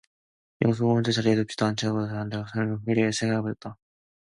영숙은 혼자 자리에 눕지도 않고 가만히 앉아 있어 전후 일을 생각하여 보았다.